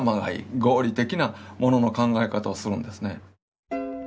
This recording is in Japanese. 合理的なものの考え方をするんですね。